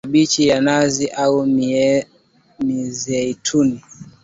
Tumia mafuta mabichi ya nazi au mizeituni